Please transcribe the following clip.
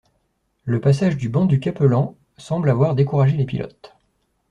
Le passage du banc du Capelan semble avoir découragé les pilotes.